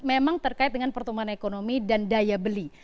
memang terkait dengan pertumbuhan ekonomi dan daya beli